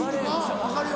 分かるよ。